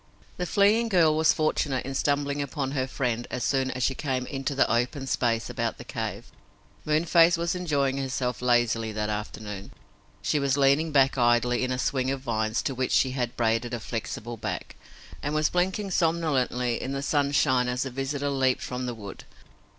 The fleeing girl was fortunate in stumbling upon her friend as soon as she came into the open space about the cave. Moonface was enjoying herself lazily that afternoon. She was leaning back idly in a swing of vines to which she had braided a flexible back, and was blinking somnolently in the sunshine as the visitor leaped from the wood.